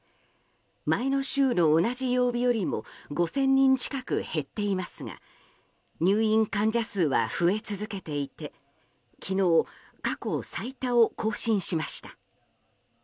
前の週の同じ曜日よりも５０００人近く減っていますが入院患者数は増え続けていて昨日、過去最多を更新しました。